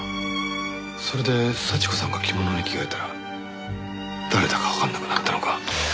それで幸子さんが着物に着替えたら誰だかわからなくなったのか。